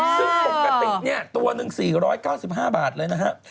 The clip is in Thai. ซึ่งปกติตัวนึง๔๙๕บาทเลยนะฮะ